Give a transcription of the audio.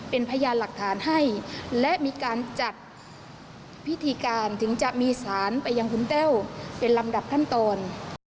เป็นพยานหลักฐานให้และมีการจัดพิธีการถึงจะมีสารไปยังคุณแต้วเป็นลำดับขั้นตอน